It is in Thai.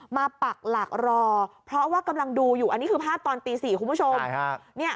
ปักหลักรอเพราะว่ากำลังดูอยู่อันนี้คือภาพตอนตี๔คุณผู้ชม